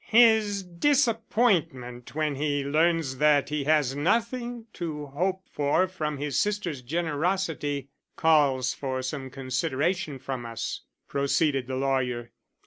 "His disappointment when he learns that he has nothing to hope for from his sister's generosity calls for some consideration from us," proceeded the lawyer.